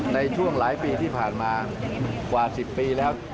ในช่วงหลายปีที่ผ่านมากว่า๑๐ปีแล้ว